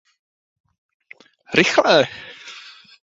Rychle!